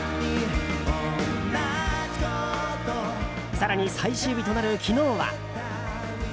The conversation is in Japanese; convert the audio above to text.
更に最終日となる昨日は。